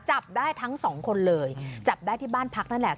จับได้ทั้งสองคนเลยจับได้ที่บ้านพักนั่นแหละ